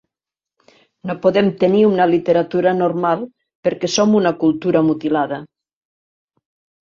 No podem tenir una literatura normal perquè som una cultura mutilada.